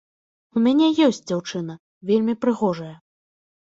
У мяне ёсць дзяўчына, вельмі прыгожая.